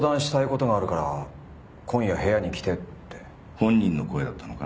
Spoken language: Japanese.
本人の声だったのか？